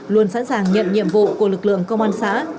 luôn sẵn sàng nhận nhiệm vụ của lực lượng công an xã